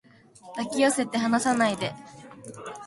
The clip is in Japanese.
抱き寄せて離さないで